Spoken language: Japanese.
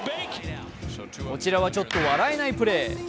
こちらはちょっと笑えないプレー。